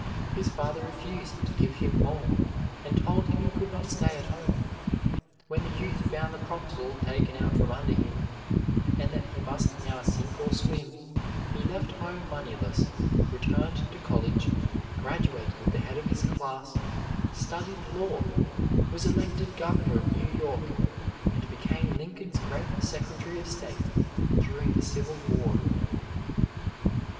His father refused to give him more, and told him he could not stay at home. When the youth found the props all taken out from under him, and that he must now sink or swim, he left home moneyless, returned to college, graduated at the head of his class, studied law, was elected Governor of New York, and became Lincoln's great Secretary of State during the Civil War.